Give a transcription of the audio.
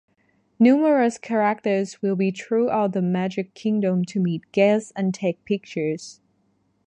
Numerous characters will be throughout the Magic Kingdom to meet guests and take pictures.